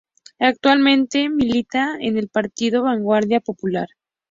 Actualmente milita en el partido Vanguardia Popular.